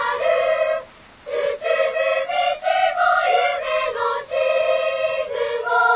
「進む道も夢の地図も」